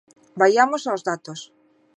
Vaiamos aos datos.